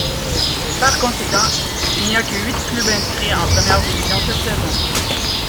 Par conséquent, il n'y a que huit clubs inscrits en première division cette saison.